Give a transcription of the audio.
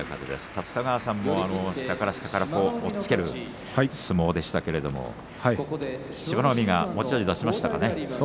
立田川さんも下から下から押っつける相撲でしたけども志摩ノ海、持ち味出しましたか？